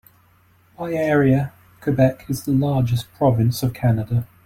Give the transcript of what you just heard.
By area, Quebec is the largest province of Canada.